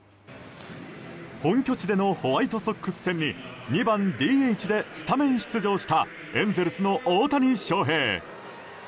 本拠地でのホワイトソックス戦に２番ＤＨでスタメン出場したエンゼルスの大谷翔平。